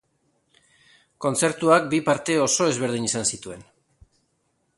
Kontzertuak bi parte oso ezberdin izan zituen.